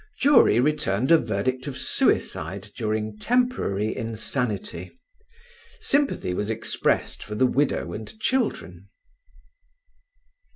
"Jury returned a verdict of suicide during temporary insanity. Sympathy was expressed for the widow and children."